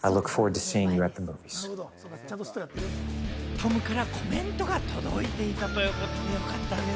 トムからコメントが届いていたということでね。